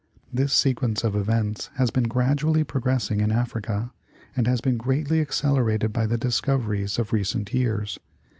This sequence of events has been gradually progress ing in Africa, and has been greatly accelerated by the discoveries of recent years.